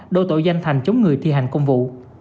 đô tội danh thành chống người thi hành công vụ